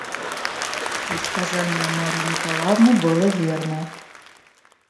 Предсказание Марьи Николаевны было верно.